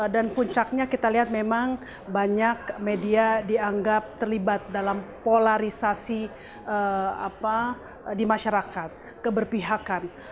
dan puncaknya kita lihat memang banyak media dianggap terlibat dalam polarisasi di masyarakat keberpihakan